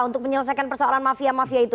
untuk menyelesaikan persoalan mafia mafia itu